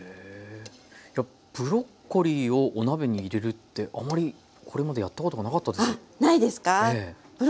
ブロッコリーをお鍋に入れるってあまりこれまでやったことがなかったです。